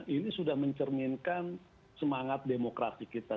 ini sudah mencerminkan semangat demokrasi kita